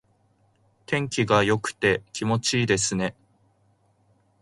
天気が良くて気持ちがいいですね。